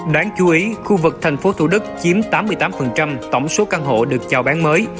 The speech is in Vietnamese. đáng chú ý khu vực thành phố thủ đức chiếm tám mươi tám tổng số căn hộ được chào bán mới